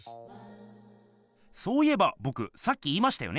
そういえばぼくさっき言いましたよね。